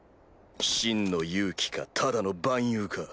真の勇気かただの蛮勇か。